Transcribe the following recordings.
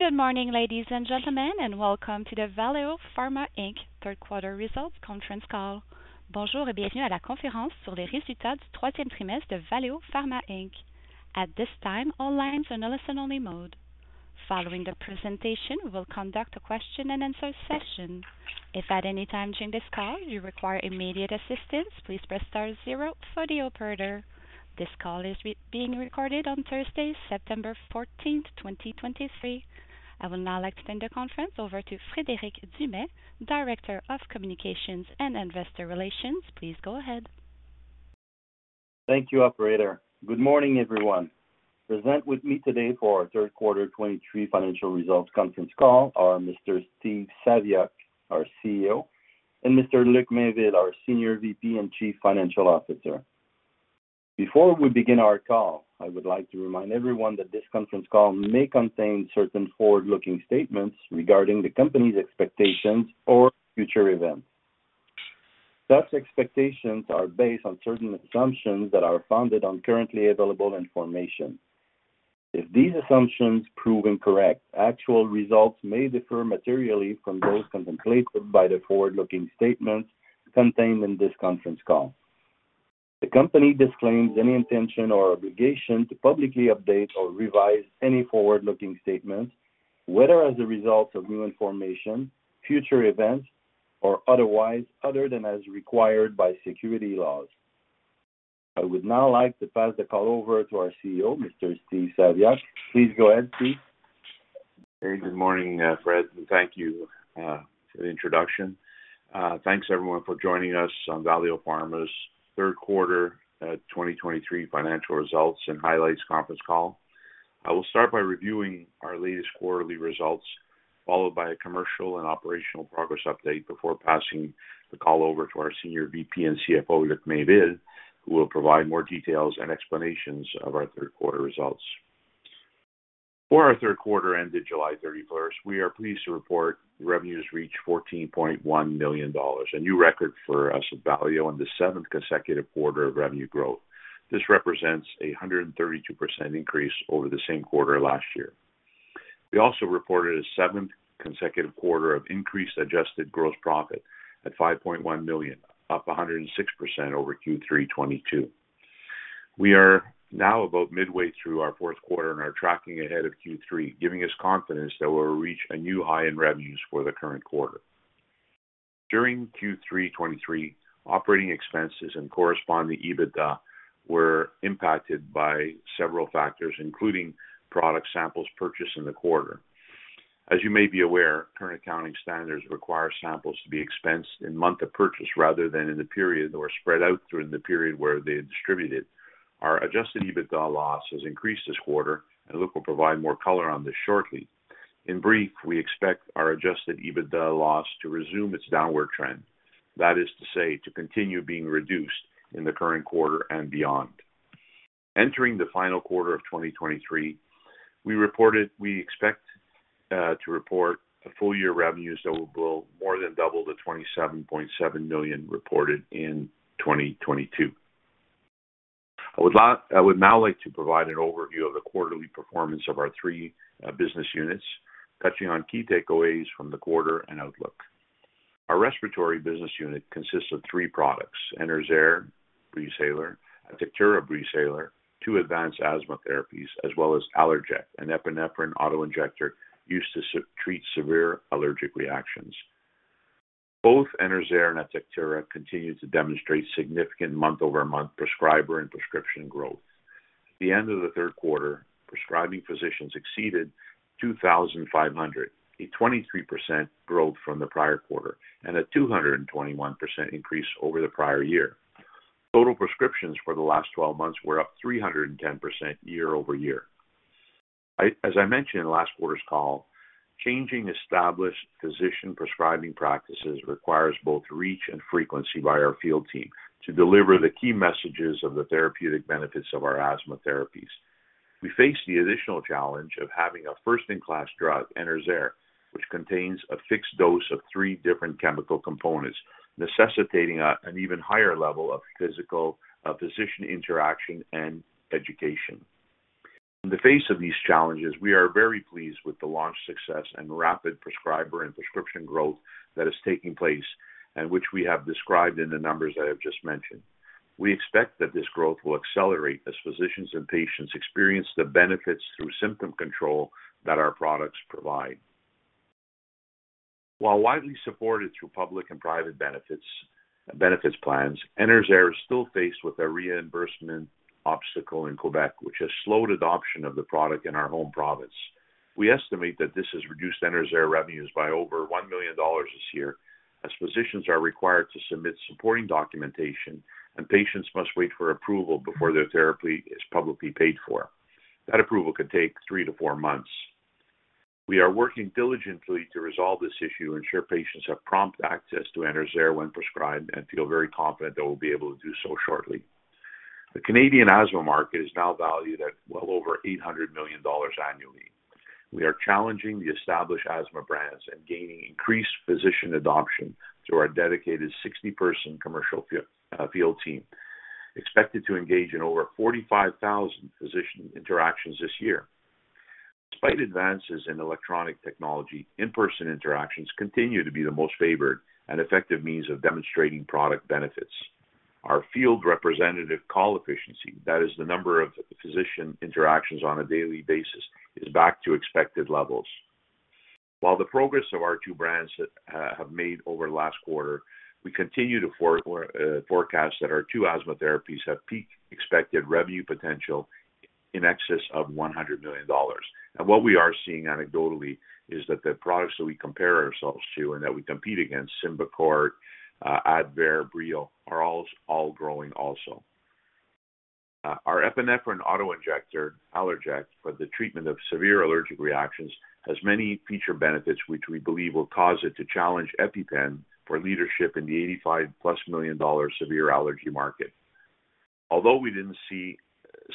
Good morning, ladies and gentlemen, and welcome to the Valeo Pharma Inc. third quarter results conference call. Bonjour et bienvenue à la conférence sur les résultats du troisième trimestre de Valeo Pharma Inc. At this time, all lines are in a listen-only mode. Following the presentation, we will conduct a question-and-answer session. If at any time during this call you require immediate assistance, please press star zero for the operator. This call is being recorded on Thursday, September 14, 2023. I will now extend the conference over to Frédéric Dumais, Director of Communications and Investor Relations. Please go ahead. Thank you, operator. Good morning, everyone. Present with me today for our third quarter 2023 financial results conference call are Mr. Steve Saviuk, our CEO, and Mr. Luc Mainville, our Senior VP and Chief Financial Officer. Before we begin our call, I would like to remind everyone that this conference call may contain certain forward-looking statements regarding the company's expectations or future events. Such expectations are based on certain assumptions that are founded on currently available information. If these assumptions prove incorrect, actual results may differ materially from those contemplated by the forward-looking statements contained in this conference call. The company disclaims any intention or obligation to publicly update or revise any forward-looking statements, whether as a result of new information, future events, or otherwise, other than as required by security laws. I would now like to pass the call over to our CEO, Mr. Steve Saviuk. Please go ahead, Steve. Hey, good morning, Fred, and thank you for the introduction. Thanks, everyone, for joining us on Valeo Pharma's third quarter 2023 financial results and highlights conference call. I will start by reviewing our latest quarterly results, followed by a commercial and operational progress update before passing the call over to our Senior VP and CFO, Luc Mainville, who will provide more details and explanations of our third quarter results. For our third quarter ended July 31st, we are pleased to report revenues reached 14.1 million dollars, a new record for us at Valeo and the seventh consecutive quarter of revenue growth. This represents a 132% increase over the same quarter last year. We also reported a seventh consecutive quarter of increased adjusted gross profit at 5.1 million, up 106% over Q3 2022. We are now about midway through our fourth quarter and are tracking ahead of Q3, giving us confidence that we'll reach a new high in revenues for the current quarter. During Q3 2023, operating expenses and corresponding EBITDA were impacted by several factors, including product samples purchased in the quarter. As you may be aware, current accounting standards require samples to be expensed in month of purchase rather than in the period or spread out during the period where they are distributed. Our Adjusted EBITDA loss has increased this quarter, and Luc will provide more color on this shortly. In brief, we expect our Adjusted EBITDA loss to resume its downward trend, that is to say, to continue being reduced in the current quarter and beyond. Entering the final quarter of 2023, we reported... We expect to report full-year revenues that will be more than double the 27.7 million reported in 2022. I would now like to provide an overview of the quarterly performance of our three business units, touching on key takeaways from the quarter and outlook. Our respiratory business unit consists of three products: Enerzair Breezhaler, Atectura Breezhaler, two advanced asthma therapies, as well as Allerject, an epinephrine auto-injector used to treat severe allergic reactions. Both Enerzair and Atectura continue to demonstrate significant month-over-month prescriber and prescription growth. At the end of the third quarter, prescribing physicians exceeded 2,500, a 23% growth from the prior quarter and a 221% increase over the prior year. Total prescriptions for the last 12 months were up 310% year-over-year. I... As I mentioned in last quarter's call, changing established physician prescribing practices requires both reach and frequency by our field team to deliver the key messages of the therapeutic benefits of our asthma therapies. We face the additional challenge of having a first-in-class drug, Enerzair, which contains a fixed dose of three different chemical components, necessitating an even higher level of physical, physician interaction and education. In the face of these challenges, we are very pleased with the launch success and rapid prescriber and prescription growth that is taking place, and which we have described in the numbers that I've just mentioned. We expect that this growth will accelerate as physicians and patients experience the benefits through symptom control that our products provide. While widely supported through public and private benefits, benefits plans, Enerzair is still faced with a reimbursement obstacle in Quebec, which has slowed adoption of the product in our home province. We estimate that this has reduced Enerzair revenues by over 1 million dollars this year, as physicians are required to submit supporting documentation and patients must wait for approval before their therapy is publicly paid for. That approval could take three to four months. We are working diligently to resolve this issue and ensure patients have prompt access to Enerzair when prescribed and feel very confident that we'll be able to do so shortly. The Canadian asthma market is now valued at well over 800 million dollars annually. We are challenging the established asthma brands and gaining increased physician adoption through our dedicated 60-person commercial field team. Expected to engage in over 45,000 physician interactions this year. Despite advances in electronic technology, in-person interactions continue to be the most favored and effective means of demonstrating product benefits. Our field representative call efficiency, that is the number of physician interactions on a daily basis, is back to expected levels. While the progress of our two brands have made over the last quarter, we continue to forecast that our two asthma therapies have peak expected revenue potential in excess of 100 million dollars. And what we are seeing anecdotally is that the products that we compare ourselves to and that we compete against, Symbicort, Advair, Breo, are all growing also. Our epinephrine auto-injector, Allerject, for the treatment of severe allergic reactions, has many feature benefits, which we believe will cause it to challenge EpiPen for leadership in the 85+ million dollar severe allergy market. Although we didn't see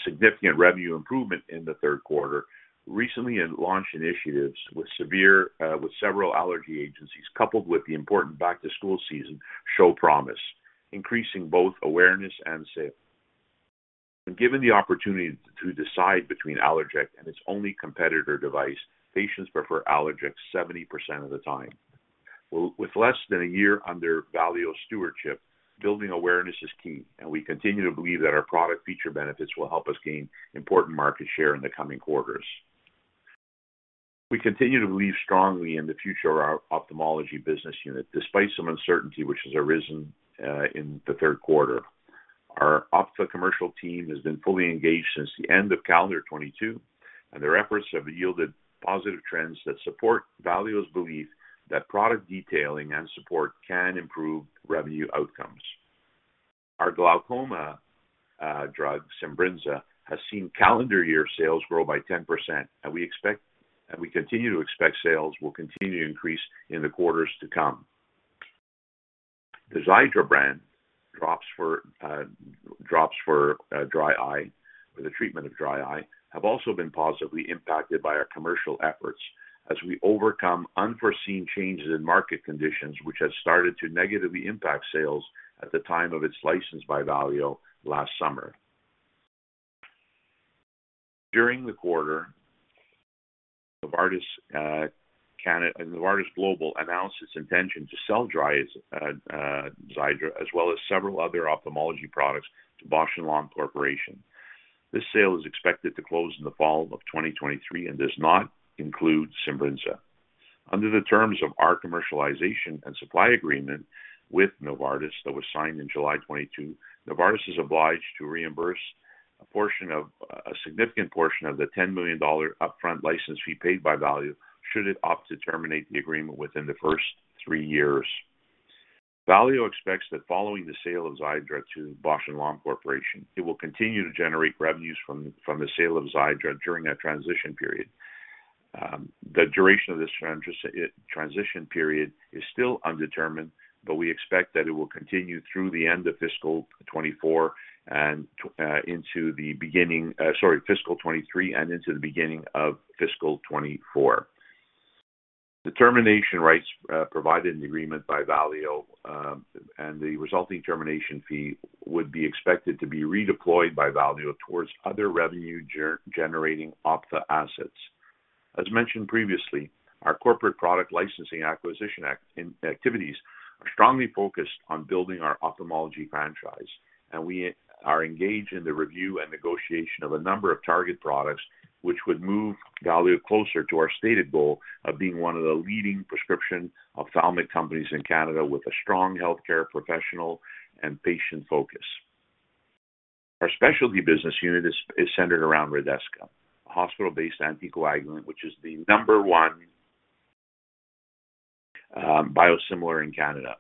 significant revenue improvement in the third quarter, recently in launch initiatives with several allergy agencies, coupled with the important back-to-school season, show promise, increasing both awareness and sales. When given the opportunity to decide between Allerject and its only competitor device, patients prefer Allerject 70% of the time. With less than a year under Valeo stewardship, building awareness is key, and we continue to believe that our product feature benefits will help us gain important market share in the coming quarters. We continue to believe strongly in the future of our ophthalmology business unit, despite some uncertainty which has arisen in the third quarter. Our Ophtha commercial team has been fully engaged since the end of calendar 2022, and their efforts have yielded positive trends that support Valeo's belief that product detailing and support can improve revenue outcomes. Our glaucoma drug, Simbrinza, has seen calendar year sales grow by 10%, and we expect and we continue to expect sales will continue to increase in the quarters to come. The Xiidra brand drops for dry eye, or the treatment of dry eye, have also been positively impacted by our commercial efforts as we overcome unforeseen changes in market conditions, which has started to negatively impact sales at the time of its license by Valeo last summer. During the quarter, Novartis Canada, Novartis Global announced its intention to sell dry eyes, Xiidra, as well as several other ophthalmology products to Bausch + Lomb Corporation. This sale is expected to close in the fall of 2023 and does not include Simbrinza. Under the terms of our commercialization and supply agreement with Novartis that was signed in July 2022, Novartis is obliged to reimburse a portion of a significant portion of the $10 million upfront license fee paid by Valeo, should it opt to terminate the agreement within the first 3 years. Valeo expects that following the sale of Xiidra to Bausch + Lomb Corporation, it will continue to generate revenues from the sale of Xiidra during that transition period. The duration of this transition period is still undetermined, but we expect that it will continue through the end of fiscal 2023 and into the beginning of fiscal 2024. The termination rights provided in the agreement by Valeo, and the resulting termination fee would be expected to be redeployed by Valeo towards other revenue-generating ophthalmic assets. As mentioned previously, our corporate product licensing, acquisition, and in-licensing activities are strongly focused on building our ophthalmology franchise, and we are engaged in the review and negotiation of a number of target products, which would move Valeo closer to our stated goal of being one of the leading prescription ophthalmic companies in Canada with a strong healthcare professional and patient focus. Our specialty business unit is centered around Redesca, a hospital-based anticoagulant, which is the number one biosimilar in Canada.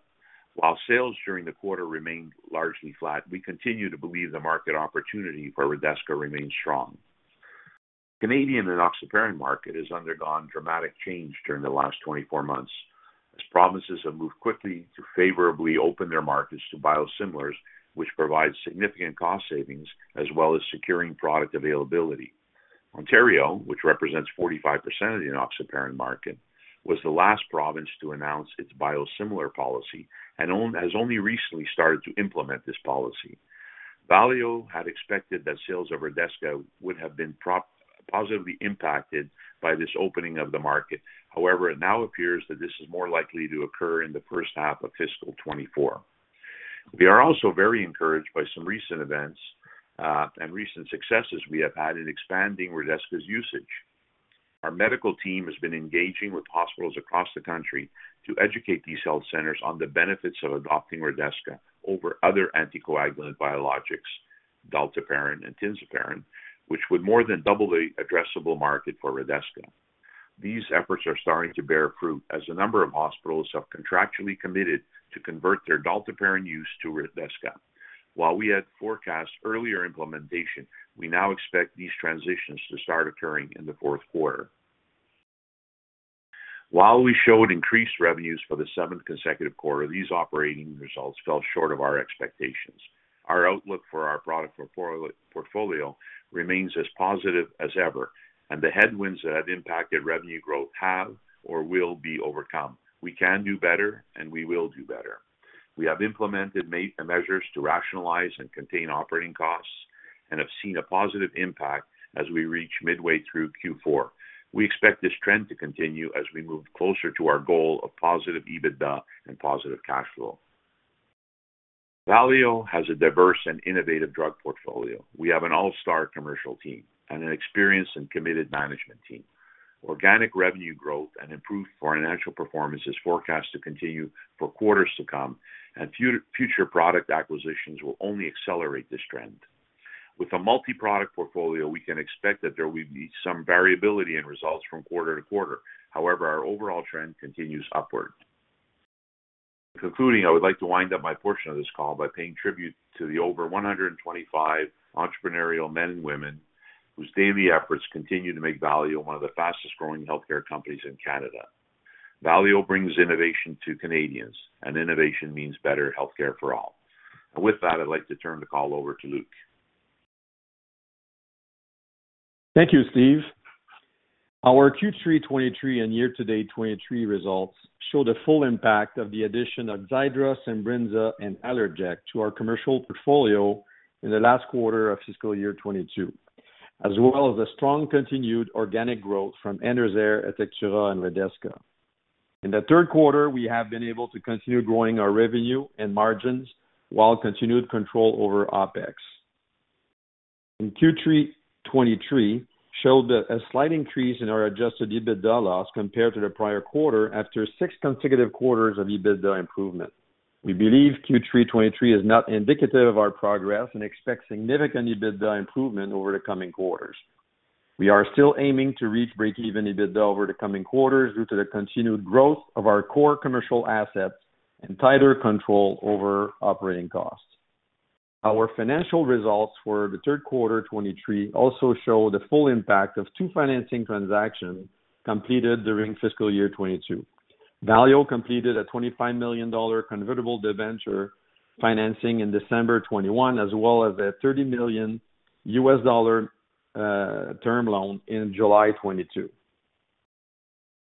While sales during the quarter remained largely flat, we continue to believe the market opportunity for Redesca remains strong. Canadian enoxaparin market has undergone dramatic change during the last 24 months, as provinces have moved quickly to favorably open their markets to biosimilars, which provides significant cost savings as well as securing product availability. Ontario, which represents 45% of the enoxaparin market, was the last province to announce its biosimilar policy and has only recently started to implement this policy. Valeo had expected that sales of Redesca would have been positively impacted by this opening of the market. However, it now appears that this is more likely to occur in the first half of fiscal 2024. We are also very encouraged by some recent events, and recent successes we have had in expanding Redesca's usage. Our medical team has been engaging with hospitals across the country to educate these health centers on the benefits of adopting Redesca over other anticoagulant biologics, dalteparin and tinzaparin, which would more than double the addressable market for Redesca. These efforts are starting to bear fruit as a number of hospitals have contractually committed to convert their dalteparin use to Redesca. While we had forecast earlier implementation, we now expect these transitions to start occurring in the fourth quarter. While we showed increased revenues for the seventh consecutive quarter, these operating results fell short of our expectations. Our outlook for our product portfolio remains as positive as ever, and the headwinds that have impacted revenue growth have or will be overcome. We can do better, and we will do better. We have implemented measures to rationalize and contain operating costs.... and have seen a positive impact as we reach midway through Q4. We expect this trend to continue as we move closer to our goal of positive EBITDA and positive cash flow. Valeo has a diverse and innovative drug portfolio. We have an all-star commercial team and an experienced and committed management team. Organic revenue growth and improved financial performance is forecast to continue for quarters to come, and future product acquisitions will only accelerate this trend. With a multi-product portfolio, we can expect that there will be some variability in results from quarter to quarter. However, our overall trend continues upward. Concluding, I would like to wind up my portion of this call by paying tribute to the over 125 entrepreneurial men and women whose daily efforts continue to make Valeo one of the fastest-growing healthcare companies in Canada. Valeo brings innovation to Canadians, and innovation means better healthcare for all. With that, I'd like to turn the call over to Luc. Thank you, Steve. Our Q3 2023 and year-to-date 2023 results show the full impact of the addition of Xiidra, Simbrinza and Allerject to our commercial portfolio in the last quarter of fiscal year 2022, as well as the strong continued organic growth from Enerzair, Atectura, and Redesca. In the third quarter, we have been able to continue growing our revenue and margins while continued control over OpEx. In Q3 2023 showed a slight increase in our Adjusted EBITDA loss compared to the prior quarter after six consecutive quarters of EBITDA improvement. We believe Q3 2023 is not indicative of our progress and expect significant EBITDA improvement over the coming quarters. We are still aiming to reach breakeven EBITDA over the coming quarters due to the continued growth of our core commercial assets and tighter control over operating costs. Our financial results for the third quarter 2023 also show the full impact of two financing transactions completed during fiscal year 2022. Valeo completed a 25 million dollar convertible debenture financing in December 2021, as well as a $30 million term loan in July 2022.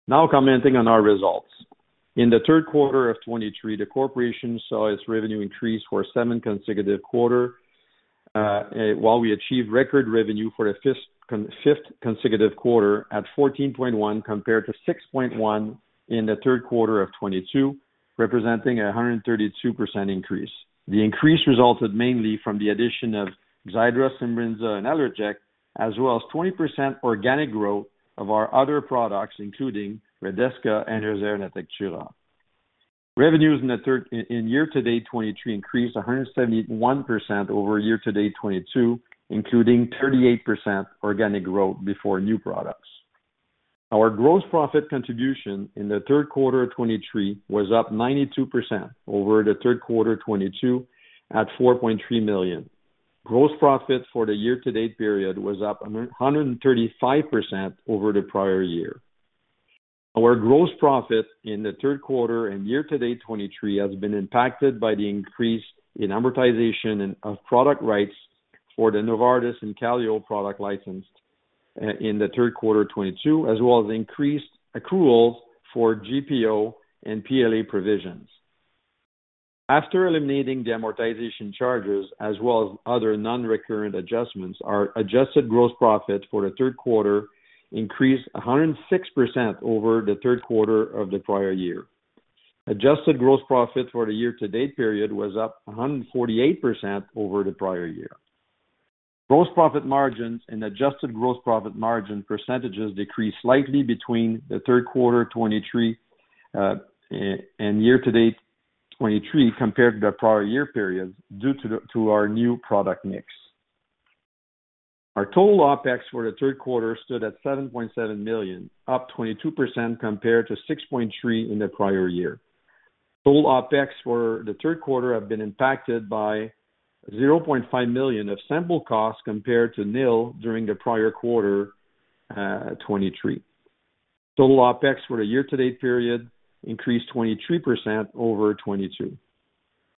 Now commenting on our results. In the third quarter of 2023, the corporation saw its revenue increase for the seventh consecutive quarter, while we achieved record revenue for the fifth consecutive quarter at 14.1 million, compared to 6.1 million in the third quarter of 2022, representing a 132% increase. The increase resulted mainly from the addition of Xiidra, Simbrinza, and Allerject, as well as 20% organic growth of our other products, including Redesca, Enerzair, and Atectura. Revenues in the third in year-to-date 2023 increased 171% over year-to-date 2022, including 38% organic growth before new products. Our gross profit contribution in the third quarter of 2023 was up 92% over the third quarter 2022, at 4.3 million. Gross profit for the year-to-date period was up 135% over the prior year. Our gross profit in the third quarter and year-to-date 2023 has been impacted by the increase in amortization and of product rights for the Novartis and Kaléo product license in the third quarter 2022, as well as increased accruals for GPO and PLA provisions. After eliminating the amortization charges, as well as other non-recurrent adjustments, our adjusted gross profit for the third quarter increased 106% over the third quarter of the prior year. Adjusted gross profit for the year-to-date period was up 148% over the prior year. Gross profit margins and adjusted gross profit margin percentages decreased slightly between the third quarter 2023 and year-to-date 2023, compared to the prior year periods, due to our new product mix. Our total OpEx for the third quarter stood at 7.7 million, up 22% compared to 6.3 million in the prior year. Total OpEx for the third quarter have been impacted by 0.5 million of sample costs compared to nil during the prior quarter 2023. Total OpEx for the year-to-date period increased 23% over 2022.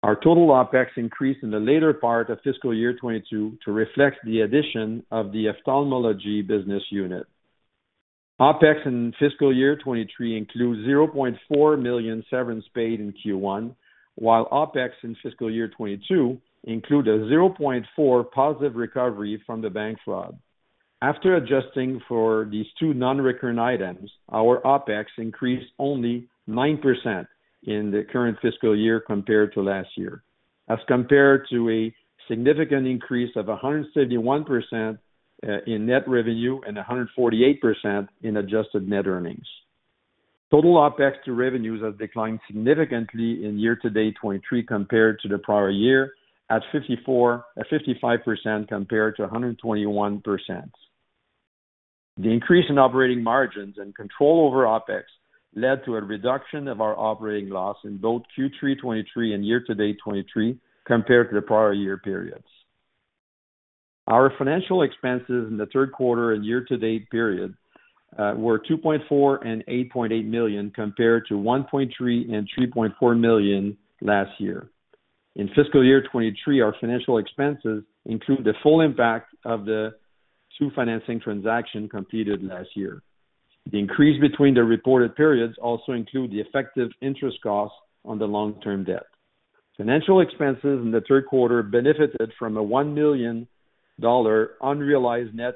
Our total OpEx increased in the later part of fiscal year 2022 to reflect the addition of the Ophthalmology business unit. OpEx in fiscal year 2023 includes 0.4 million severance paid in Q1, while OpEx in fiscal year 2022 includes a 0.4 million positive recovery from the bank fraud. After adjusting for these two non-recurrent items, our OpEx increased only 9% in the current fiscal year compared to last year, as compared to a significant increase of 171% in net revenue and 148% in adjusted net earnings. Total OpEx to revenues have declined significantly in year-to-date 2023 compared to the prior year, at 55% compared to 121%. The increase in operating margins and control over OpEx led to a reduction of our operating loss in both Q3 2023 and year-to-date 2023 compared to the prior year periods. Our financial expenses in the third quarter and year-to-date period were 2.4 million and 8.8 million, compared to 1.3 million and 3.4 million last year. In fiscal year 2023, our financial expenses include the full impact of the two financing transactions completed last year.... The increase between the reported periods also include the effective interest costs on the long-term debt. Financial expenses in the third quarter benefited from a 1 million dollar unrealized net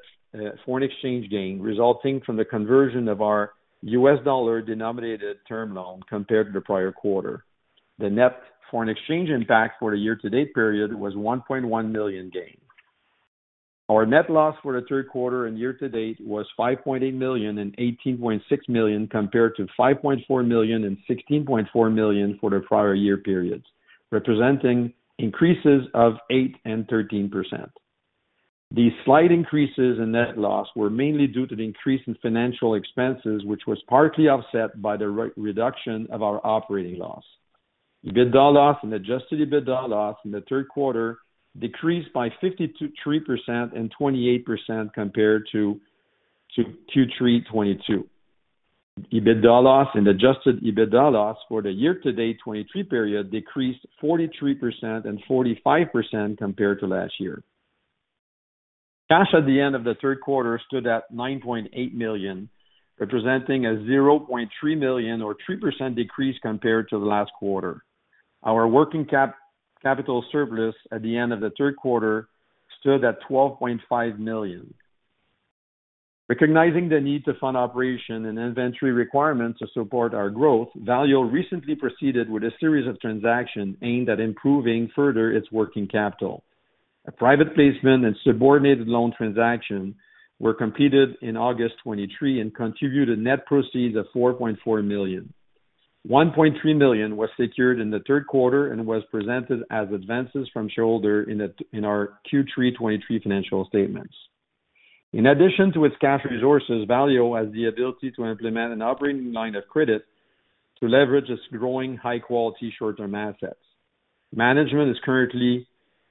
foreign exchange gain, resulting from the conversion of our U.S. dollar-denominated term loan compared to the prior quarter. The net foreign exchange impact for the year-to-date period was 1.1 million gain. Our net loss for the third quarter and year-to-date was 5.8 million and 18.6 million, compared to 5.4 million and 16.4 million for the prior year periods, representing increases of 8% and 13%. These slight increases in net loss were mainly due to the increase in financial expenses, which was partly offset by the reduction of our operating loss. EBITDA loss and Adjusted EBITDA loss in the third quarter decreased by 53% and 28% compared to Q3 2022. EBITDA loss and Adjusted EBITDA loss for the year-to-date 2023 period decreased 43% and 45% compared to last year. Cash at the end of the third quarter stood at 9.8 million, representing a 0.3 million or 3% decrease compared to the last quarter. Our working capital surplus at the end of the third quarter stood at 12.5 million. Recognizing the need to fund operation and inventory requirements to support our growth, Valeo recently proceeded with a series of transactions aimed at improving further its working capital. A private placement and subordinated loan transaction were completed in August 2023, and contributed net proceeds of 4.4 million. 1.3 million was secured in the third quarter and was presented as advances from shareholder in our Q3 2023 financial statements. In addition to its cash resources, Valeo has the ability to implement an operating line of credit to leverage its growing high-quality short-term assets. Management is currently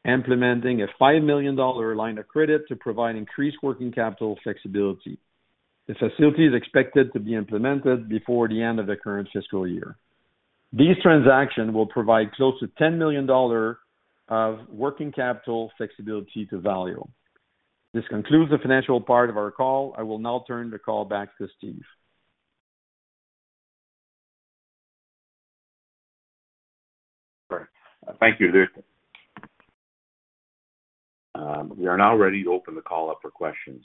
implementing a $5 million line of credit to provide increased working capital flexibility. The facility is expected to be implemented before the end of the current fiscal year. These transactions will provide close to 10 million dollars of working capital flexibility to Valeo. This concludes the financial part of our call. I will now turn the call back to Steve. Great. Thank you, Luc. We are now ready to open the call up for questions.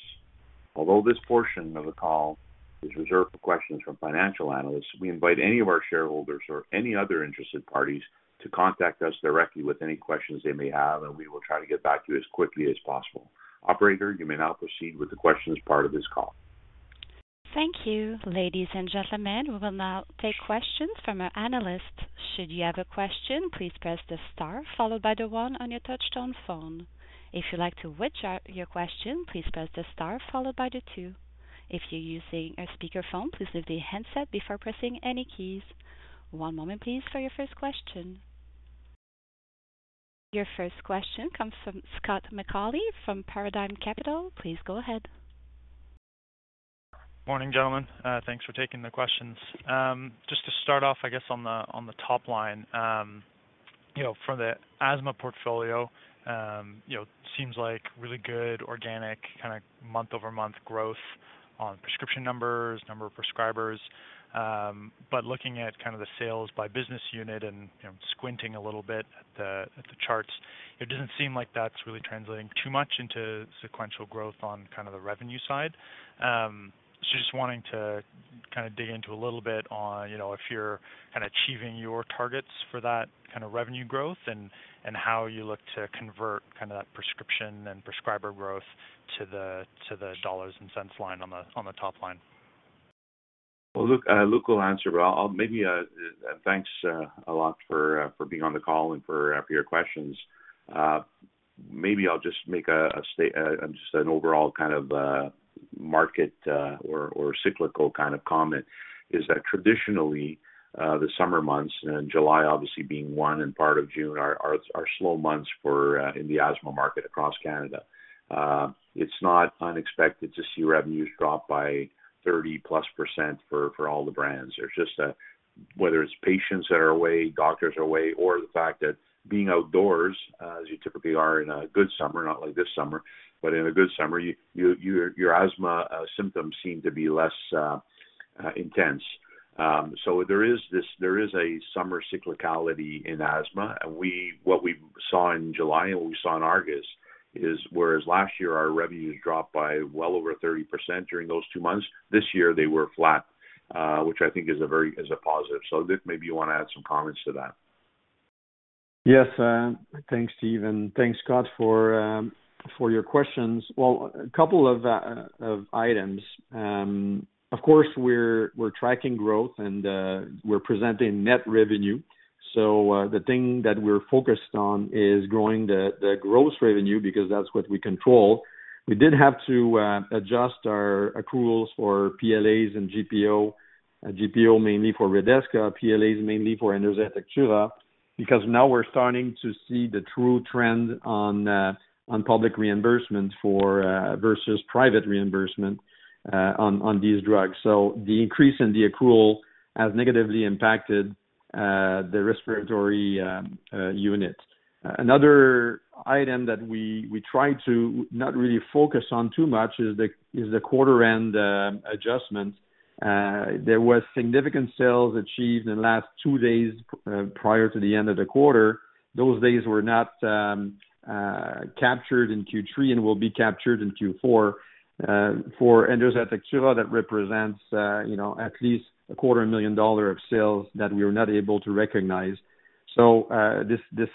Although this portion of the call is reserved for questions from financial analysts, we invite any of our shareholders or any other interested parties to contact us directly with any questions they may have, and we will try to get back to you as quickly as possible. Operator, you may now proceed with the questions part of this call. Thank you. Ladies and gentlemen, we will now take questions from our analysts. Should you have a question, please press the star followed by the one on your touchtone phone. If you'd like to withdraw your question, please press the star followed by the two. If you're using a speakerphone, please lift the handset before pressing any keys. One moment, please, for your first question. Your first question comes from Scott McAuley, from Paradigm Capital. Please go ahead. Morning, gentlemen. Thanks for taking the questions. Just to start off, I guess, on the top line. You know, from the asthma portfolio, you know, seems like really good organic kind of month-over-month growth on prescription numbers, number of prescribers. But looking at kind of the sales by business unit and, you know, squinting a little bit at the charts, it doesn't seem like that's really translating too much into sequential growth on kind of the revenue side. So just wanting to kind of dig into a little bit on, you know, if you're kind of achieving your targets for that kind of revenue growth and how you look to convert kind of that prescription and prescriber growth to the dollars and cents line on the top line. Well, look, Luc will answer, but I'll maybe thanks a lot for being on the call and for your questions. Maybe I'll just make an overall kind of market or cyclical kind of comment, is that traditionally the summer months, and July obviously being one, and part of June, are slow months for in the asthma market across Canada. It's not unexpected to see revenues drop by 30%+ for all the brands. There's just that, whether it's patients that are away, doctors are away, or the fact that being outdoors as you typically are in a good summer, not like this summer, but in a good summer, your asthma symptoms seem to be less intense. So there is a summer cyclicality in asthma, and what we saw in July and what we saw in August is, whereas last year our revenues dropped by well over 30% during those two months, this year they were flat, which I think is a very positive. So Luc, maybe you want to add some comments to that. Yes, thanks, Steve, and thanks, Scott, for your questions. Well, a couple of items. Of course, we're tracking growth and we're presenting net revenue. So, the thing that we're focused on is growing the gross revenue, because that's what we control. We did have to adjust our accruals for PLAs and GPO. GPO, mainly for Redesca, PLAs, mainly for Enerzair, Atectura, because now we're starting to see the true trend on public reimbursement versus private reimbursement on these drugs. So the increase in the accrual has negatively impacted the respiratory unit. Another item that we try to not really focus on too much is the quarter end adjustment. There was significant sales achieved in the last two days, prior to the end of the quarter. Those days were not captured in Q3 and will be captured in Q4. For Enerzair Atectura, that represents, you know, at least 250,000 dollar of sales that we were not able to recognize. So, this, this,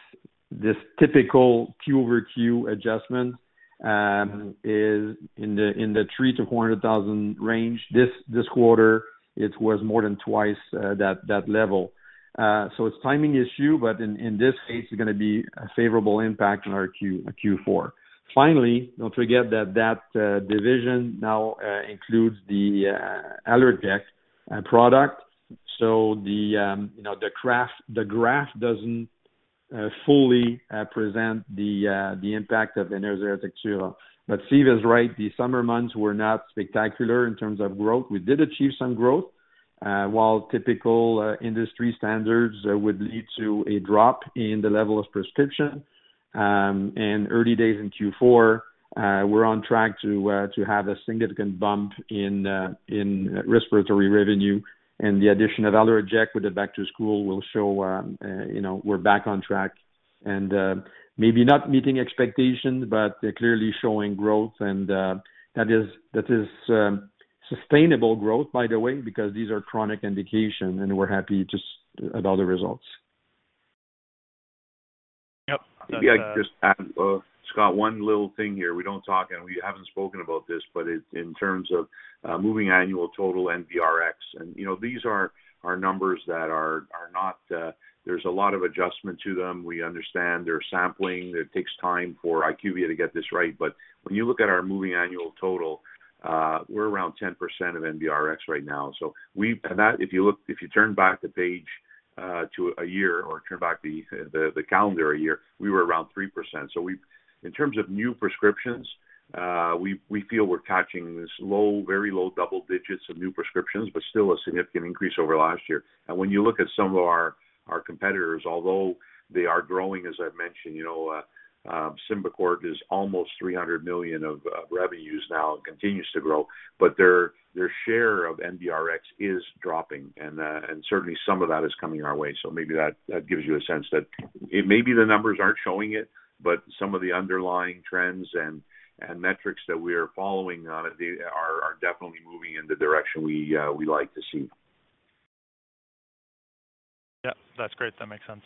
this typical Q over Q adjustment, is in the, in the 300,000-400,000 range. This, this quarter, it was more than twice, that, that level. So it's timing issue, but in, in this case, it's gonna be a favorable impact on our Q, Q4. Finally, don't forget that, that, division now, includes the, Allerject, product. So the, you know, the graph, the graph doesn't, fully, present the the impact of Enerzair Atectura. But Steve is right, the summer months were not spectacular in terms of growth. We did achieve some growth, while typical industry standards would lead to a drop in the level of prescription. And early days in Q4, we're on track to have a significant bump in respiratory revenue and the addition of Allerject with the back to school will show, you know, we're back on track. And maybe not meeting expectations, but clearly showing growth and that is sustainable growth, by the way, because these are chronic indications, and we're happy just about the results. Yep. Yeah, just, Scott, one little thing here. We don't talk, and we haven't spoken about this, but it, in terms of, moving annual total NBRX, and, you know, these are numbers that are not, there's a lot of adjustment to them. We understand their sampling. It takes time for IQVIA to get this right, but when you look at our moving annual total, we're around 10% of NBRX right now. So we've and that, if you look, if you turn back the page, to a year or turn back the calendar a year, we were around 3%. So we've in terms of new prescriptions, we feel we're touching this low, very low double digits of new prescriptions, but still a significant increase over last year. When you look at some of our, our competitors, although they are growing, as I've mentioned, you know, Symbicort is almost 300 million of revenues now and continues to grow, but their, their share of NBRX is dropping, and, and certainly some of that is coming our way. So maybe that, that gives you a sense that it may be the numbers aren't showing it, but some of the underlying trends and, and metrics that we are following on it, they are, are definitely moving in the direction we, we like to see. Yeah, that's great. That makes sense.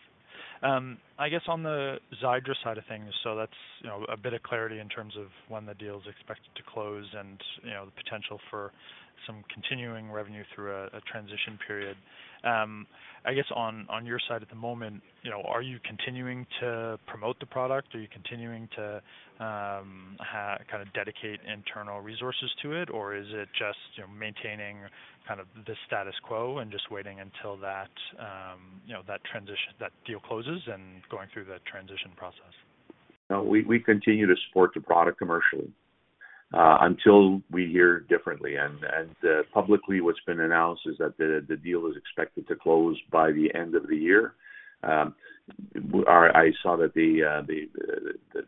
I guess on the Xiidra side of things, so that's, you know, a bit of clarity in terms of when the deal is expected to close and, you know, the potential for some continuing revenue through a transition period. I guess on your side at the moment, you know, are you continuing to promote the product? Are you continuing to kind of dedicate internal resources to it, or is it just, you know, maintaining kind of the status quo and just waiting until that, you know, that transition, that deal closes and going through the transition process? We continue to support the product commercially until we hear differently. Publicly, what's been announced is that the deal is expected to close by the end of the year. I saw that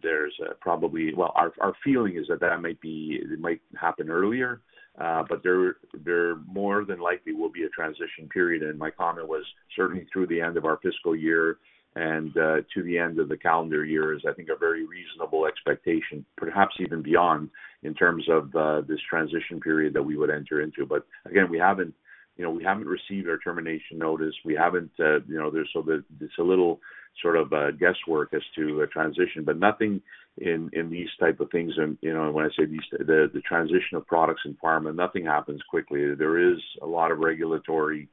there's probably... Well, our feeling is that that might be; it might happen earlier, but there more than likely will be a transition period, and my comment was certainly through the end of our fiscal year and to the end of the calendar year is, I think, a very reasonable expectation, perhaps even beyond, in terms of this transition period that we would enter into. But again, we haven't, you know, we haven't received our termination notice. We haven't, you know, there's so little, sort of, guesswork as to a transition, but nothing in these type of things. You know, when I say these, the transition of products and pharma, nothing happens quickly. There is a lot of regulatory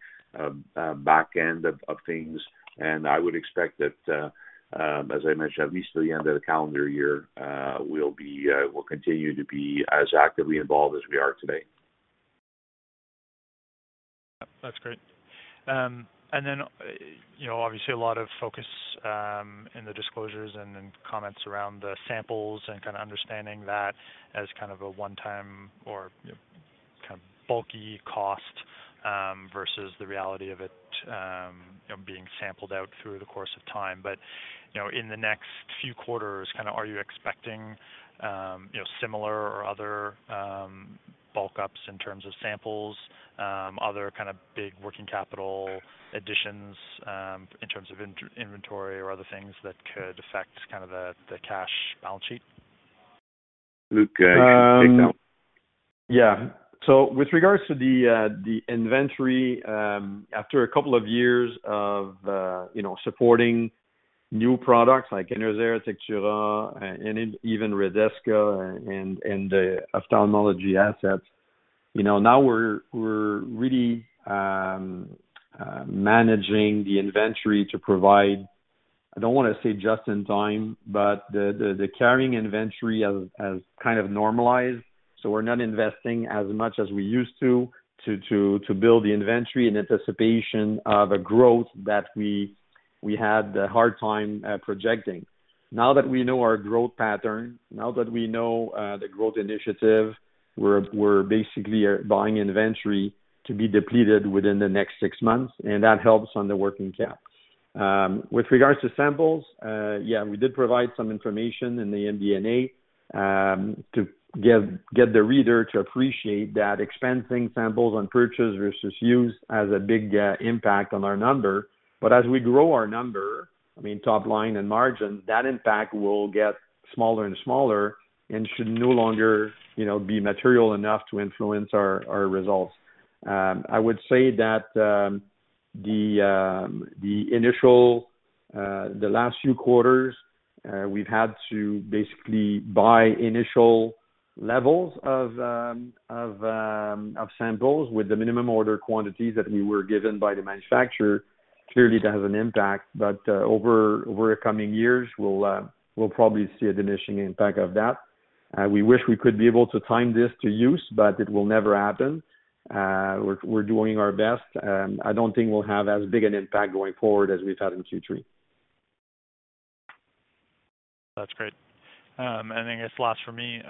back end of things, and I would expect that, as I mentioned, at least till the end of the calendar year, we'll continue to be as actively involved as we are today. Yeah, that's great. And then, you know, obviously a lot of focus in the disclosures and in comments around the samples and kind of understanding that as kind of a one-time or, you know, kind of bulky cost versus the reality of it, you know, being sampled out through the course of time. But, you know, in the next few quarters, kind of, are you expecting, you know, similar or other bulk ups in terms of samples, other kind of big working capital additions in terms of inventory or other things that could affect kind of the cash balance sheet? Luc, take that one. Yeah. So with regards to the inventory, after a couple of years of, you know, supporting new products like Enerzair Atectura, and even Redesca and the ophthalmology assets, you know, now we're really managing the inventory to provide, I don't wanna say just in time, but the carrying inventory has kind of normalized, so we're not investing as much as we used to, to build the inventory in anticipation of a growth that we had a hard time projecting. Now that we know our growth pattern, now that we know the growth initiative, we're basically buying inventory to be depleted within the next six months, and that helps on the working cap. With regards to samples, yeah, we did provide some information in the MD&A, to get the reader to appreciate that expensing samples on purchase versus use has a big impact on our number. But as we grow our number, I mean, top line and margin, that impact will get smaller and smaller and should no longer, you know, be material enough to influence our results. I would say that the initial, the last few quarters, we've had to basically buy initial levels of samples with the minimum order quantities that we were given by the manufacturer. Clearly, that has an impact, but over the coming years, we'll probably see a diminishing impact of that. We wish we could be able to time this to use, but it will never happen. We're doing our best. I don't think we'll have as big an impact going forward as we've had in Q3. That's great. I think it's last for me.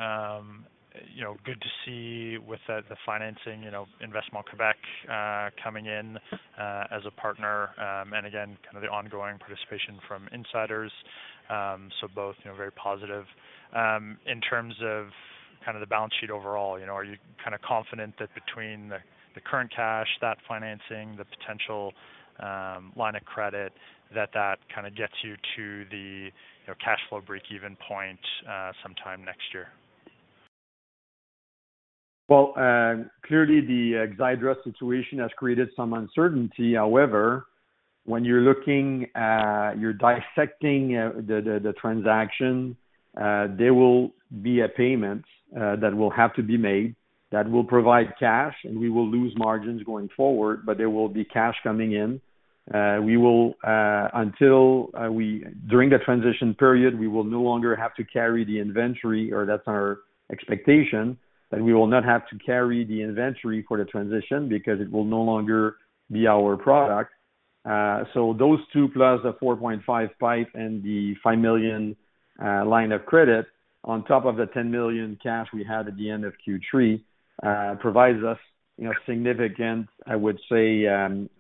You know, good to see with the financing, you know, Investissement Québec coming in as a partner, and again, kind of the ongoing participation from insiders. So both, you know, very positive. In terms of kind of the balance sheet overall, you know, are you kind of confident that between the current cash, that financing, the potential line of credit, that that kind of gets you to the, you know, cash flow breakeven point, sometime next year? Well, clearly, the Xiidra situation has created some uncertainty. However, when you're looking, you're dissecting, the transaction, there will be a payment, that will have to be made, that will provide cash, and we will lose margins going forward, but there will be cash coming in. We will until During the transition period, we will no longer have to carry the inventory, or that's our expectation, that we will not have to carry the inventory for the transition because it will no longer be our product. So those two, plus the 4.5 PIPE and the 5 million line of credit, on top of the 10 million cash we had at the end of Q3, provides us, you know, significant, I would say,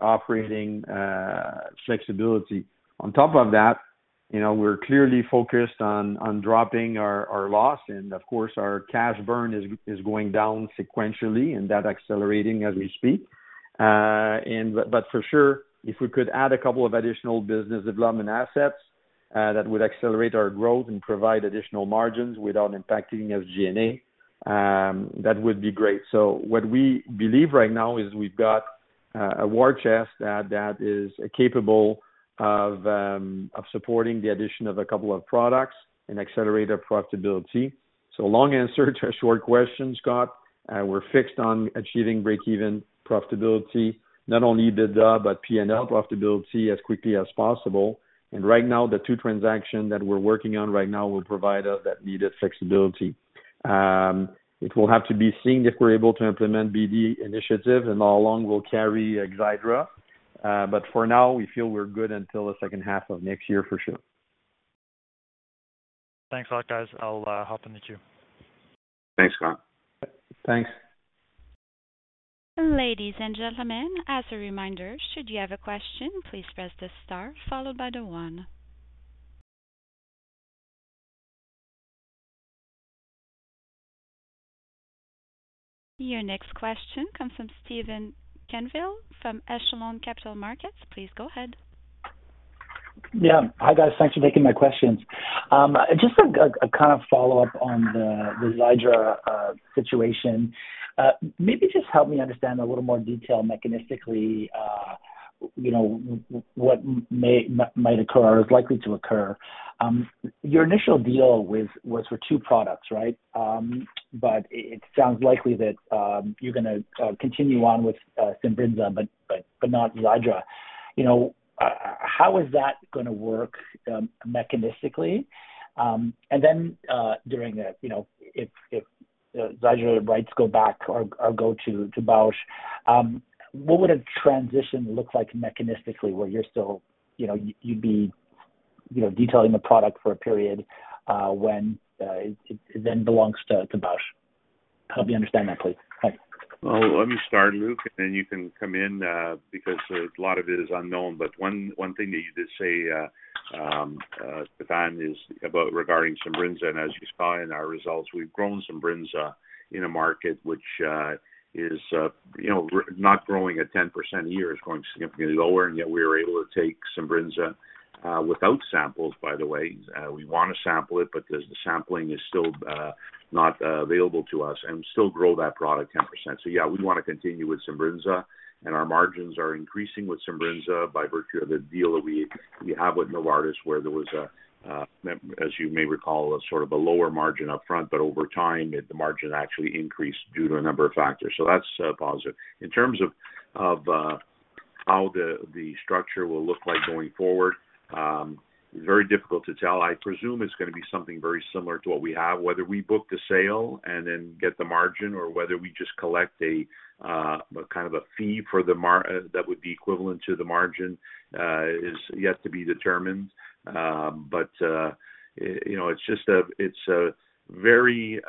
operating flexibility. On top of that, you know, we're clearly focused on dropping our loss, and of course, our cash burn is going down sequentially, and that accelerating as we speak. But for sure, if we could add a couple of additional business development assets, that would accelerate our growth and provide additional margins without impacting our G&A, that would be great. So what we believe right now is we've got a war chest that is capable of supporting the addition of a couple of products and accelerate our profitability. So long answer to a short question, Scott, we're fixed on achieving break-even profitability, not only the EBITDA, but P&L profitability as quickly as possible. And right now, the two transactions that we're working on right now will provide us that needed flexibility. It will have to be seen if we're able to implement BD initiative and how long we'll carry Xiidra. But for now, we feel we're good until the second half of next year, for sure. Thanks a lot, guys. I'll hop in the queue. Thanks, Scott. Thanks. Ladies and gentlemen, as a reminder, should you have a question, please press the star followed by the one. Your next question comes from Stefan Quenneville from Echelon Capital Markets. Please go ahead. Yeah. Hi, guys. Thanks for taking my questions. Just a kind of follow-up on the Xiidra situation. Maybe just help me understand a little more detail mechanistically, you know, what might occur or is likely to occur. Your initial deal was for two products, right? But it sounds likely that you're gonna continue on with Simbrinza, but not Xiidra. You know, how is that gonna work mechanistically? And then, you know, if the Xiidra rights go back or go to Bausch, what would a transition look like mechanistically, where you're still, you know, you'd be, you know, detailing the product for a period when it then belongs to Bausch? Help me understand that, please. Thanks. Well, let me start, Luc, and then you can come in, because a lot of it is unknown. But one, one thing that you did say, Stefan, is about regarding Simbrinza, and as you saw in our results, we've grown Simbrinza in a market which is, you know, not growing at 10% a year, it's growing significantly lower, and yet we were able to take Simbrinza without samples, by the way. We want to sample it, but the sampling is still not available to us and still grow that product 10%. So yeah, we want to continue with Simbrinza, and our margins are increasing with Simbrinza by virtue of the deal that we have with Novartis, where there was a, as you may recall, a sort of a lower margin up front, but over time, the margin actually increased due to a number of factors. So that's positive. In terms of how the structure will look like going forward, very difficult to tell. I presume it's gonna be something very similar to what we have, whether we book the sale and then get the margin, or whether we just collect a kind of a fee for the mar-- that would be equivalent to the margin, is yet to be determined. But you know, it's just a, it's a very...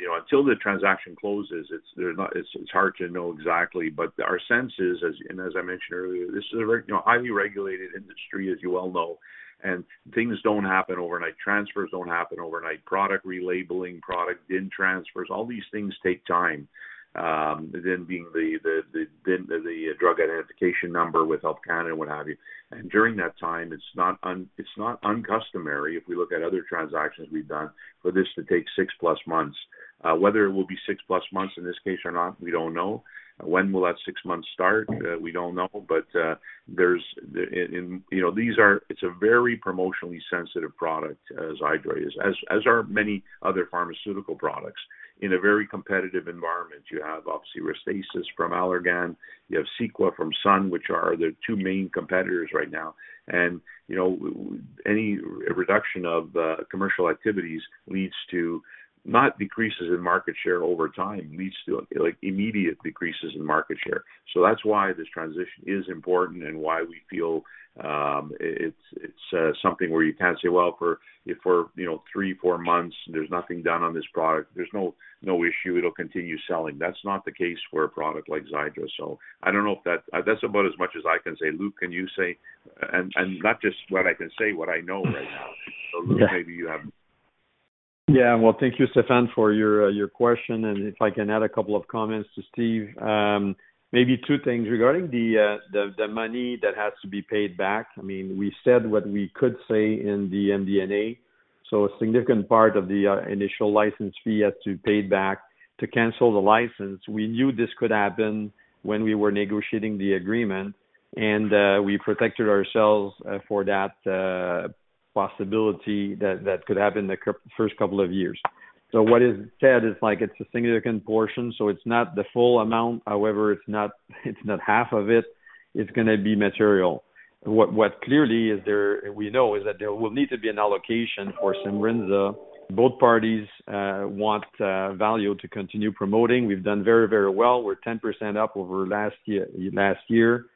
You know, until the transaction closes, it's hard to know exactly, but our sense is, and as I mentioned earlier, this is a, you know, highly regulated industry, as you well know, and things don't happen overnight. Transfers don't happen overnight. Product relabeling, product DIN transfers, all these things take time. Then being the drug identification number with Health Canada and what have you. And during that time, it's not uncustomary, if we look at other transactions we've done, for this to take six-plus months. Whether it will be six-plus months in this case or not, we don't know. When will that six months start? We don't know. But, you know, these are—it's a very promotionally sensitive product as Xiidra is, as are many other pharmaceutical products in a very competitive environment. You have obviously Restasis from Allergan, you have Cequa from Sun, which are the two main competitors right now. And, you know, any reduction of commercial activities leads to, not decreases in market share over time, leads to, like, immediate decreases in market share. So that's why this transition is important and why we feel it's something where you can't say, well, you know, three, four months, there's nothing done on this product. There's no issue, it'll continue selling. That's not the case for a product like Xiidra. So I don't know if that... That's about as much as I can say. Luc, can you say, and not just what I can say, what I know right now. So Luc, maybe you have- Yeah. Well, thank you, Stefan, for your question. And if I can add a couple of comments to Steve. Maybe two things regarding the money that has to be paid back. I mean, we said what we could say in the MD&A, so a significant part of the initial license fee has to be paid back to cancel the license. We knew this could happen when we were negotiating the agreement, and we protected ourselves for that possibility that could happen the first couple of years. So what is said is like, it's a significant portion, so it's not the full amount. However, it's not half of it. It's gonna be material. What clearly is there, we know, is that there will need to be an allocation for Simbrinza. Both parties want Valeo to continue promoting. We've done very, very well. We're 10% up over last year, last year,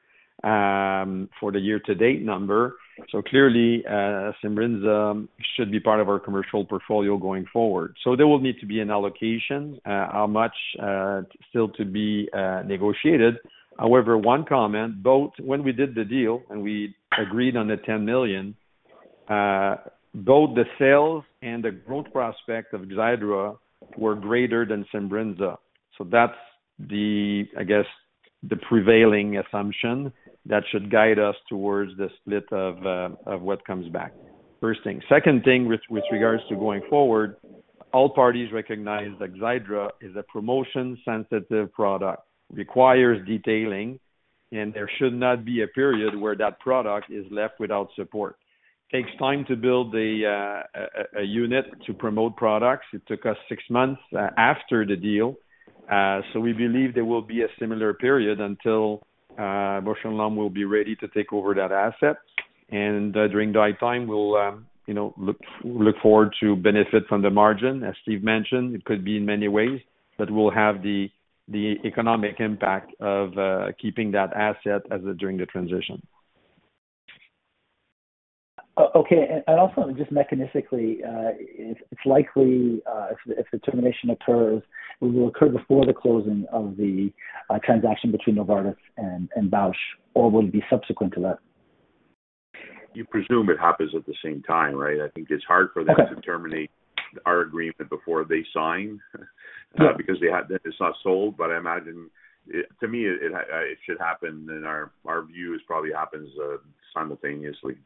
for the year-to-date number. So clearly, Simbrinza should be part of our commercial portfolio going forward. So there will need to be an allocation, how much still to be negotiated. However, one comment, both when we did the deal and we agreed on the 10 million, both the sales and the growth prospect of Xiidra were greater than Simbrinza. So that's the, I guess, the prevailing assumption that should guide us towards the split of what comes back. First thing. Second thing, with regards to going forward, all parties recognize that Xiidra is a promotion-sensitive product, requires detailing, and there should not be a period where that product is left without support. Takes time to build a unit to promote products. It took us six months after the deal, so we believe there will be a similar period until Bausch + Lomb will be ready to take over that asset. During that time, we'll, you know, look forward to benefit from the margin. As Steve mentioned, it could be in many ways, but we'll have the economic impact of keeping that asset as during the transition. Okay. And also just mechanistically, it's likely if the termination occurs, it will occur before the closing of the transaction between Novartis and Bausch, or will it be subsequent to that? You presume it happens at the same time, right? I think it's hard for them- Okay. to terminate our agreement before they sign, Yeah. Because they have... It's not sold, but I imagine, to me, it should happen, in our view, it probably happens simultaneously.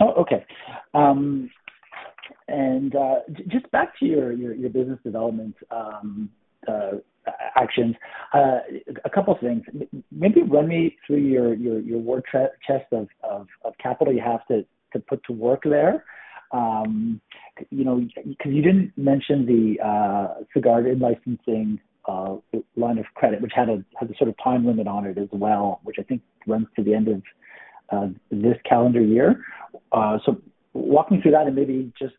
Oh, okay. Just back to your business development actions. A couple of things. Maybe run me through your war chest of capital you have to put to work there. You know, because you didn't mention the Sagard licensing line of credit, which had a sort of time limit on it as well, which I think runs to the end of this calendar year. So walk me through that and maybe just,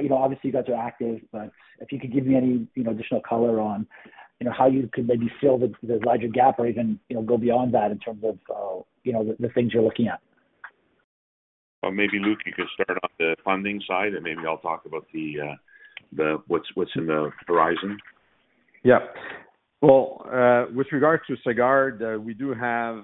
you know, obviously, you guys are active, but if you could give me any, you know, additional color on, you know, how you could maybe fill the larger gap or even, you know, go beyond that in terms of the things you're looking at. Well, maybe, Luc, you can start on the funding side, and maybe I'll talk about the what's in the horizon. Yeah. Well, with regards to Sagard, we do have,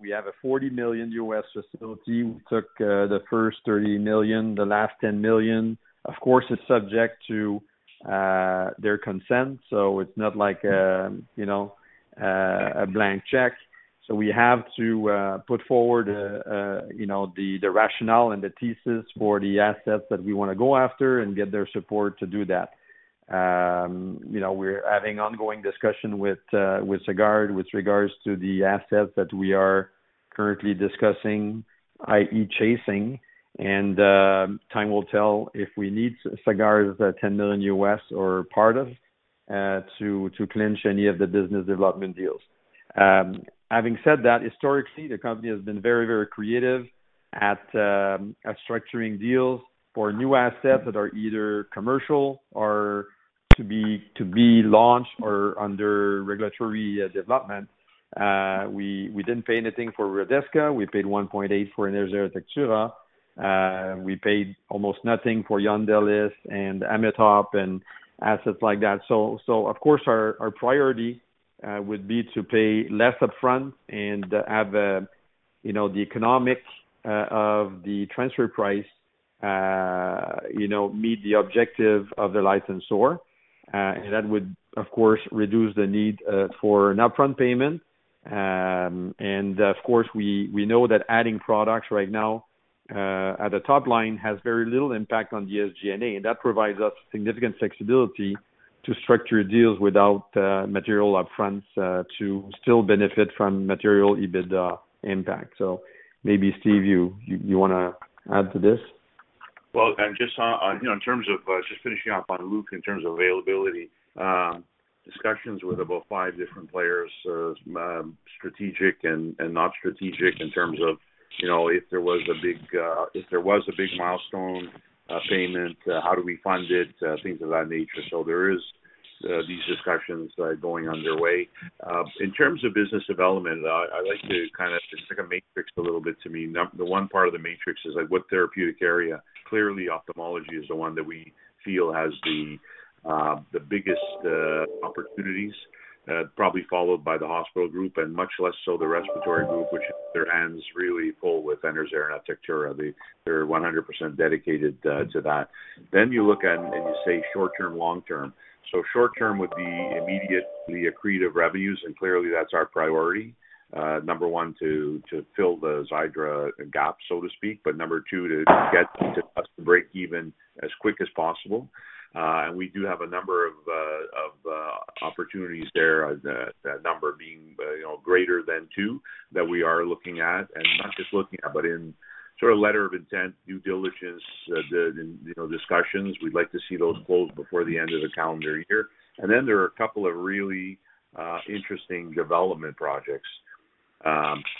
we have a $40 million facility. We took, the first $30 million, the last $10 million. Of course, it's subject to, their consent, so it's not like, you know, a blank check. So we have to, put forward, you know, the rationale and the thesis for the assets that we wanna go after and get their support to do that. You know, we're having ongoing discussion with, with Sagard with regards to the assets that we are currently discussing, i.e., chasing, and, time will tell if we need Sagard's $10 million or part of, to, to clinch any of the business development deals. Having said that, historically, the company has been very, very creative at structuring deals for new assets that are either commercial or to be launched or under regulatory development. We didn't pay anything for Redesca. We paid 1.8 million for Atectura. We paid almost nothing for Yondelis and Ametop and assets like that. So, of course, our priority would be to pay less upfront and have a, you know, the economics of the transfer price, you know, meet the objective of the licensor. And that would, of course, reduce the need for an upfront payment. And of course, we know that adding products right now at the top line has very little impact on the SG&A, and that provides us significant flexibility to structure deals without material upfront to still benefit from material EBITDA impact. So maybe, Steve, you wanna add to this? Well, and just, you know, in terms of just finishing up on Luc, in terms of availability, discussions with about five different players, strategic and not strategic in terms of, you know, if there was a big, if there was a big milestone payment, how do we fund it? Things of that nature. So there is these discussions going underway. In terms of business development, I like to kind of just take a matrix a little bit to me. The one part of the matrix is like, what therapeutic area? Clearly, ophthalmology is the one that we feel has the biggest opportunities, probably followed by the hospital group and much less so the respiratory group, which their hands really full with Enerzair and Atectura. They, they're 100% dedicated to that. Then you look at and you say short term, long term. So short term would be immediately accretive revenues, and clearly that's our priority. Number one, to fill the Xiidra gap, so to speak, but number two, to get to breakeven as quick as possible. And we do have a number of opportunities there, that number being, you know, greater than two, that we are looking at, and not just looking at, but in sort of letter of intent, due diligence, the, you know, discussions. We'd like to see those closed before the end of the calendar year. And then there are a couple of really interesting development projects,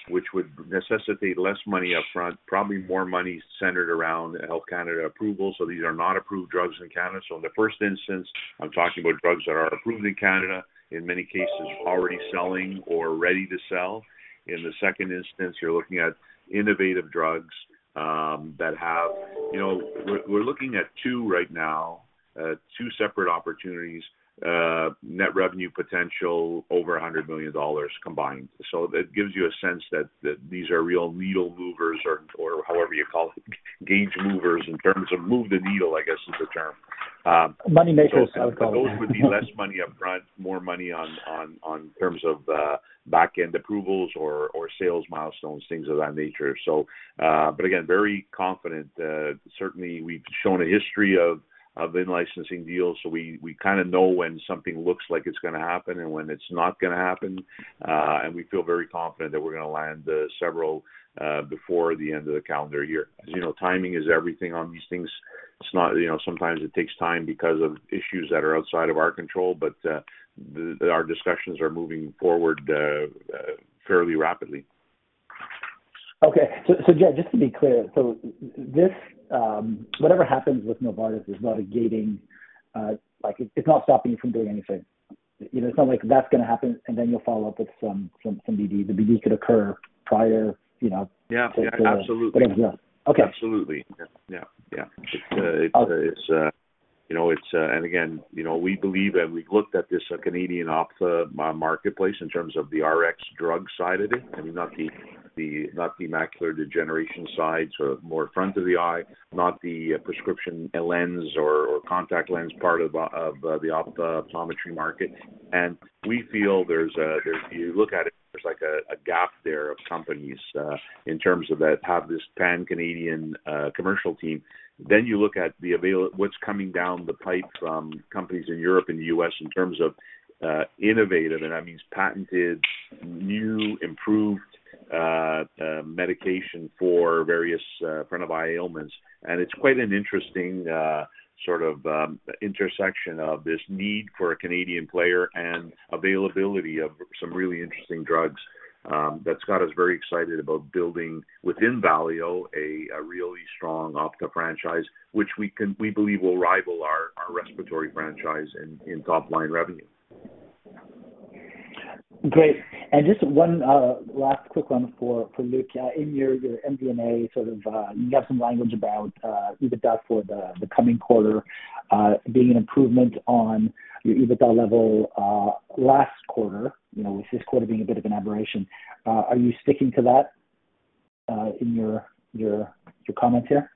which would necessitate less money upfront, probably more money centered around Health Canada approval. So these are not approved drugs in Canada. So in the first instance, I'm talking about drugs that are approved in Canada, in many cases, already selling or ready to sell. In the second instance, you're looking at innovative drugs that have... You know, we're, we're looking at two right now, two separate opportunities, net revenue potential, over 100 million dollars combined. So that gives you a sense that, that these are real needle movers or, or however you call it, gauge movers, in terms of move the needle, I guess is the term. Money makers, I would call them. Those would be less money upfront, more money on terms of back-end approvals or sales milestones, things of that nature. So, but again, very confident that certainly we've shown a history of in-licensing deals, so we kinda know when something looks like it's gonna happen and when it's not gonna happen. And we feel very confident that we're gonna land several before the end of the calendar year. As you know, timing is everything on these things. It's not, you know, sometimes it takes time because of issues that are outside of our control, but our discussions are moving forward fairly rapidly. Okay. So, just, just to be clear, so this, whatever happens with Novartis is not a gating, like it's not stopping you from doing anything. You know, it's not like that's gonna happen, and then you'll follow up with some BD. The BD could occur prior, you know? Yeah, yeah, absolutely. Okay. Absolutely. Yeah, yeah. It's, Okay. It's, you know, it's. Again, you know, we believe, and we've looked at this Canadian Ophtha marketplace in terms of the Rx drug side of it, I mean, not the macular degeneration side, so more front of the eye, not the prescription lens or contact lens part of the optometry market. And we feel there's a gap there of companies in terms of that have this Pan-Canadian commercial team. Then you look at what's coming down the pipe from companies in Europe and the U.S. in terms of innovative, and that means patented, new, improved medication for various front of eye ailments. It's quite an interesting sort of intersection of this need for a Canadian player and availability of some really interesting drugs, that's got us very excited about building within Valeo a really strong ophtho franchise, which we can, we believe will rival our respiratory franchise in top line revenue. Great. And just one last quick one for Luc. In your MD&A, sort of, you got some language about EBITDA for the coming quarter being an improvement on your EBITDA level last quarter, you know, with this quarter being a bit of an aberration. Are you sticking to that in your comments here?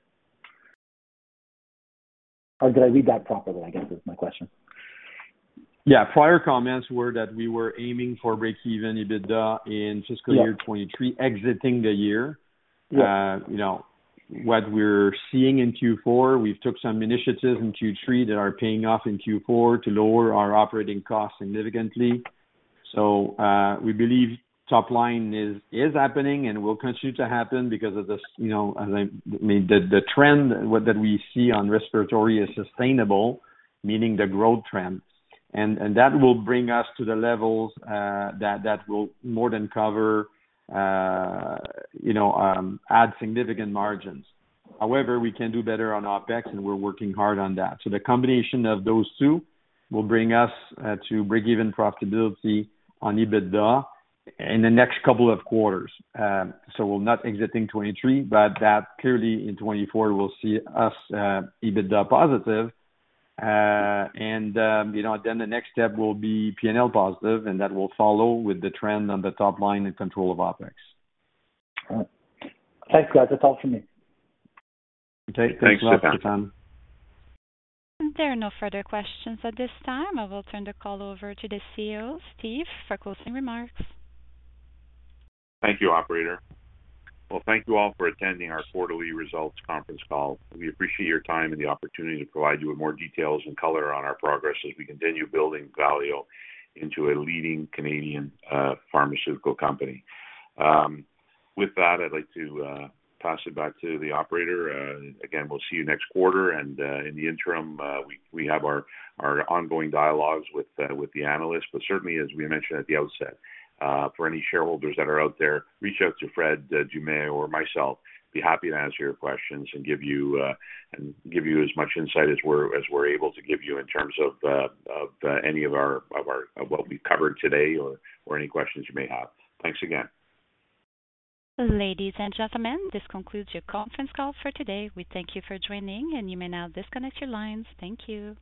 Or did I read that properly, I guess is my question. Yeah. Prior comments were that we were aiming for breakeven EBITDA in fiscal- Yeah... 2023, exiting the year. Yeah. you know, what we're seeing in Q4, we've took some initiatives in Q3 that are paying off in Q4 to lower our operating costs significantly. So, we believe top line is, is happening and will continue to happen because of this, you know, as I mean, the, the trend that we see on respiratory is sustainable, meaning the growth trend. And, and that will bring us to the levels, that, that will more than cover, you know, add significant margins. However, we can do better on OpEx, and we're working hard on that. So the combination of those two will bring us, to breakeven profitability on EBITDA in the next couple of quarters. so we'll not exiting 2023, but that clearly in 2024 will see us, EBITDA positive. You know, then the next step will be P&L positive, and that will follow with the trend on the top line and control of OpEx. All right. Thanks, guys. That's all for me. Thanks, Stefan. Thanks, Stefan. There are no further questions at this time. I will turn the call over to the CEO, Steve, for closing remarks. Thank you, operator. Well, thank you all for attending our quarterly results conference call. We appreciate your time and the opportunity to provide you with more details and color on our progress as we continue building Valeo into a leading Canadian pharmaceutical company. With that, I'd like to pass it back to the operator. Again, we'll see you next quarter, and in the interim, we have our ongoing dialogues with the analysts. But certainly, as we mentioned at the outset, for any shareholders that are out there, reach out to Fred Dumais or myself. Be happy to answer your questions and give you as much insight as we're able to give you in terms of any of what we've covered today or any questions you may have. Thanks again. Ladies and gentlemen, this concludes your conference call for today. We thank you for joining, and you may now disconnect your lines. Thank you.